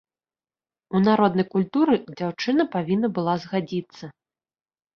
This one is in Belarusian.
У народнай культуры дзяўчына павінна была згадзіцца.